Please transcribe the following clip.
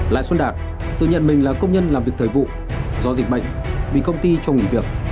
lại xuân đạt tự nhận mình là công nhân làm việc thời vụ do dịch bệnh bị công ty cho nghỉ việc